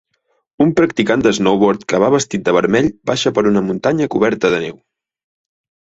un practicant de snowboard que va vestit de vermell baixa per una muntanya coberta de neu.